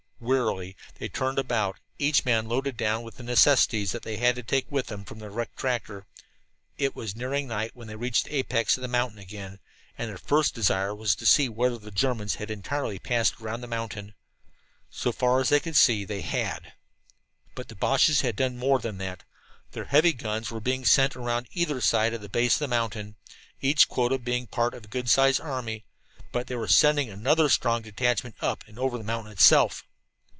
Wearily they turned about, each man loaded down with the necessities that they had to take with them from the wrecked tractor. It was nearing night when they reached the apex of the mountain again, and their first desire was to see whether the Germans had entirely passed around the mountain. So far as they could see they had! But the Boches had done more than that. Their heavy guns were being sent around either side of the base of the mountain, each quota being part of a good sized army. But they were sending another strong detachment up and over the mountain itself!